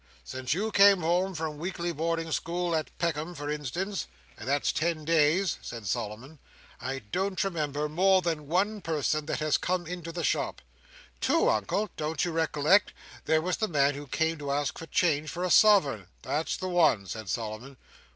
"Since you came home from weekly boarding school at Peckham, for instance—and that's ten days," said Solomon, "I don't remember more than one person that has come into the shop." "Two, Uncle, don't you recollect? There was the man who came to ask for change for a sovereign—" "That's the one," said Solomon.